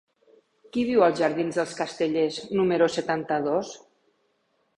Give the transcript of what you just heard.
Qui viu als jardins dels Castellers número setanta-dos?